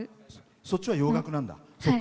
そっちは洋楽なんだ。